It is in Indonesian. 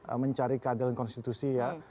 untuk mencari keadilan konstitusi ya